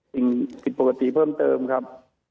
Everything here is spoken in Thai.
สิ่งผิดปกติเพิ่มเติมครับ